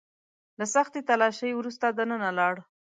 له سختې تلاشۍ وروسته دننه لاړو.